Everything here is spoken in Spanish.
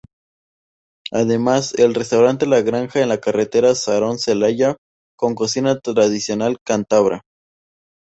Además el restaurante La Granja en la carretera Sarón-Selaya con cocina tradicional cántabra.